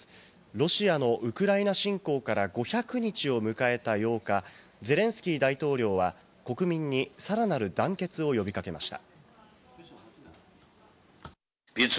ロシアのウクライナ侵攻から５００日を迎えた８日、ゼレンスキー大統領は国民にさらなる団結を呼び掛けました。